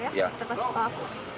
di luar pelaku